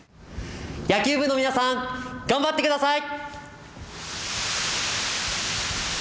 野球部の皆さん頑張ってください！